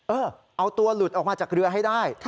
เออเอาตัวหลุดออกมาจากเรือให้ได้